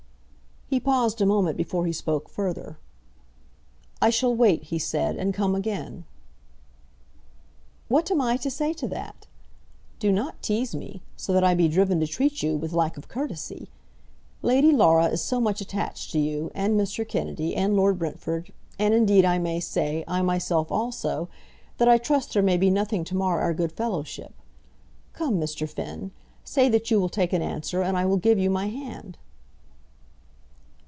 He paused a moment before he spoke further. "I shall wait," he said, "and come again." "What am I to say to that? Do not tease me, so that I be driven to treat you with lack of courtesy. Lady Laura is so much attached to you, and Mr. Kennedy, and Lord Brentford, and indeed I may say, I myself also, that I trust there may be nothing to mar our good fellowship. Come, Mr. Finn, say that you will take an answer, and I will give you my hand."